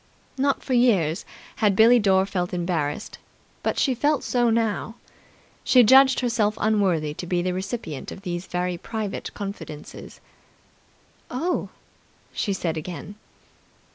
Not for years had Billie Dore felt embarrassed, but she felt so now. She judged herself unworthy to be the recipient of these very private confidences. "Oh?" she said again.